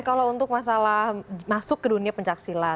kalau untuk masalah masuk ke dunia pencaksilat